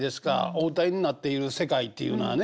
お歌いになっている世界っていうのはね。